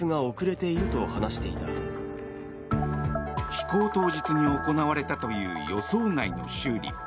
飛行当日に行われたという予想外の修理。